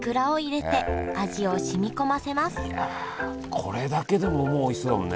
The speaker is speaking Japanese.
これだけでももうおいしそうだもんね。